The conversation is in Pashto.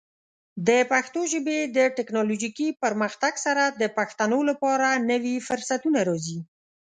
د پښتو ژبې د ټیکنالوجیکي پرمختګ سره، د پښتنو لپاره نوې فرصتونه راځي.